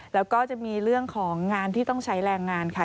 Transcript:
แล้วก็จะมีเรื่องของงานที่ต้องใช้แรงงานค่ะ